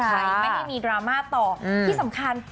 ใช่ไม่ให้มีดราม่าต่อที่สำคัญ